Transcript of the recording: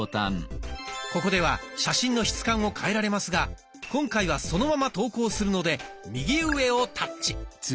ここでは写真の質感を変えられますが今回はそのまま投稿するので右上をタッチ。